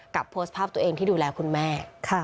โพสต์ภาพตัวเองที่ดูแลคุณแม่